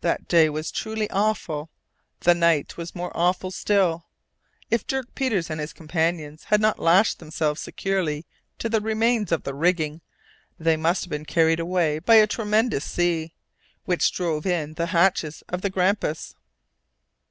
That day was truly awful, the night was more awful still! If Dirk Peters and his companions had not lashed themselves securely to the remains of the rigging, they must have been carried away by a tremendous sea, which drove in the hatches of the Grampus.